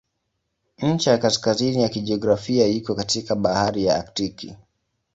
Ncha ya kaskazini ya kijiografia iko katikati ya Bahari ya Aktiki.